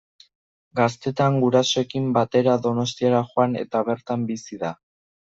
Gaztetan gurasoekin batera Donostiara joan eta bertan bizi da.